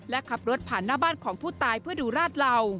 และขับรถผ่านหน้าบ้านของผู้ตายเพื่อดูราดเหล่า